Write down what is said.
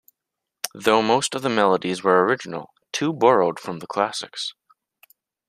Though most of the melodies were original, two borrowed from the classics.